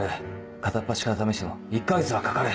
片っ端から試しても１か月はかかる。